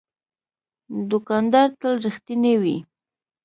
دوکاندار تل رښتینی وي.